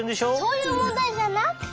そういうもんだいじゃなくて！